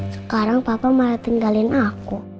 sekarang papa malah tinggalin aku